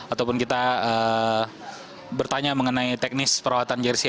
ataupun kita bertanya mengenai teknis perawatan jersi